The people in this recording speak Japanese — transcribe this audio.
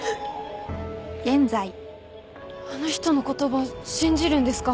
あの人の言葉信じるんですか？